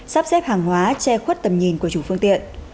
sắp xếp hàng hóa che khuất tầm nhìn của chủ phương tiện